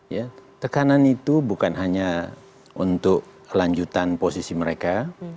ya tekanan itu bukan hanya untuk lanjutan posisi mereka